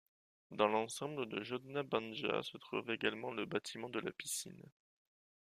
Dans l'ensemble de Jodna banja se trouve également le bâtiment de la piscine.